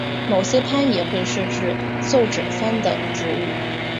某些藩也会设置奏者番的职务。